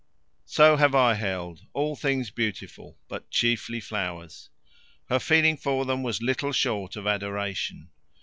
So have I held. All things beautiful, but chiefly flowers. Her feeling for them was little short of adoration.